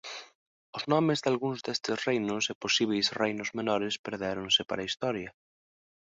Os nomes dalgúns destes reinos e posíbeis reinos menores perdéronse para a historia.